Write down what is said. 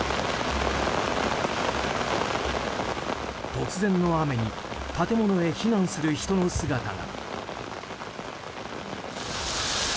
突然の雨に建物へ避難する人の姿が。